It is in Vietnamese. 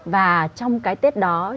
và trong cái tết đó